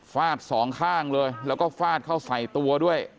ฟาดสองข้างเลยแล้วก็ฟาดเข้าใส่ตัวด้วย